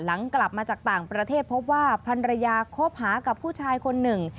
หลังกลับมาจากต่างประเทศพบว่าพันรยาคบหากับผู้ชายคนหนึ่ง